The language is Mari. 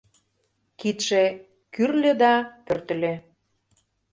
Кидше кӱрльӧ да пӧртыльӧ...